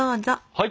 はい！